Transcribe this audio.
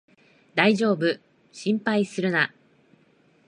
だいじょうぶ、心配するな